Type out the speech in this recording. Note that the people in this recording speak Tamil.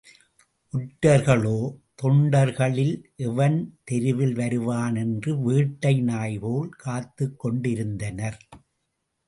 ஒற்றர்களோ தொண்டர்களில் எவன் தெருவில் வருவான் என்று வேட்டை நாய்போல் காத்துக் கொண்டிருந்தனர்.